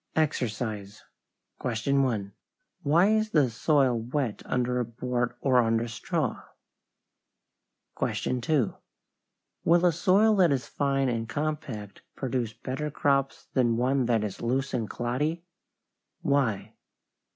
=EXERCISE= 1. Why is the soil wet under a board or under straw? 2. Will a soil that is fine and compact produce better crops than one that is loose and cloddy? Why?